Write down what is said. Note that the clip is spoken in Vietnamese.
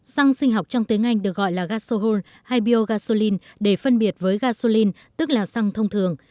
xăng sinh học trong tiếng anh được gọi là gasohool hay biogasolin để phân biệt với gasolin tức là xăng thông thường